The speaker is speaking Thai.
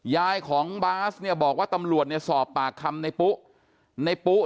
ยายของบาสเนี่ยบอกว่าตำรวจเนี่ยสอบปากคำในปุ๊ในปุ๊